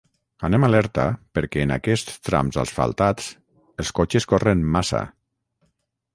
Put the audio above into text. Anem alerta perquè en aquests trams asfaltats els cotxes corren massa